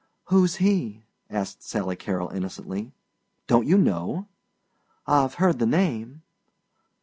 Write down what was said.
"Who's he?" asked Sally Carrol innocently. "Don't you know?" "I've heard the name."